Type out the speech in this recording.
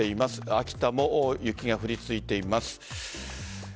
秋田も雪が降り続いています。